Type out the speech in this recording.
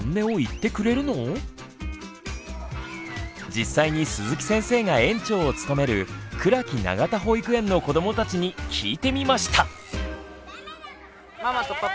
実際に鈴木先生が園長を務めるくらき永田保育園の子どもたちに聞いてみました。